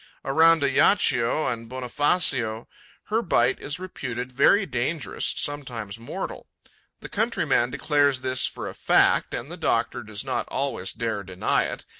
Around Ajaccio and Bonifacio, her bite is reputed very dangerous, sometimes mortal. The countryman declares this for a fact and the doctor does not always dare deny it.